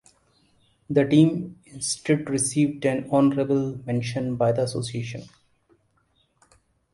The team instead received an honorable mention by the association.